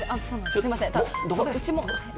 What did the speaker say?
すいません。